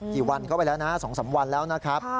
กี่วันเข้าไปแล้วนะ๒๓วันแล้วนะครับ